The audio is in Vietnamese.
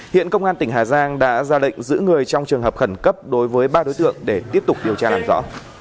hiện công an tỉnh hà giang đã ra lệnh giữ người trong trường hợp khẩn cấp đối với ba đối tượng để tiếp tục điều tra làm rõ